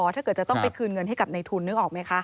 ถ้าเกิดจะต้องไปคืนเงินให้กับในทุนนึกออกไหมคะ